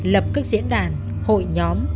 lập các diễn đàn hội nhóm